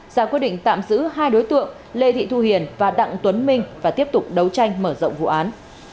ra quyết định tạm giữ hai đối tượng lê thị thu hiền và đặng tuấn minh và tiếp tục đấu tranh mở rộng vụ án